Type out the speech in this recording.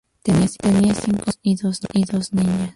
Tenían cinco niños y dos niñas.